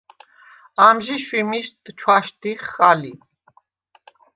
ამჟი შვიმიშდ ჩვაშდიხხ ალი.